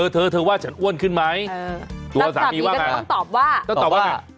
เธอเธอว่าฉันอ้วนขึ้นไหมตัวสามีว่าไงต้องตอบว่าต้องตอบว่าไง